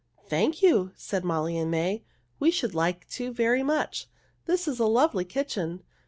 "Thank you!" said Molly and May. "We should like to very much. This is a lovely kitchen.